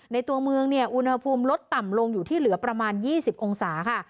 ในตัวเมืองเนี่ยอุณหภูมิลดต่ำลงอยู่ที่เหลือประมาณ๒๐องศาค่ะ